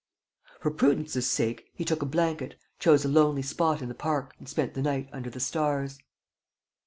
For prudence's sake, he took a blanket, chose a lonely spot in the park and spent the night under the stars.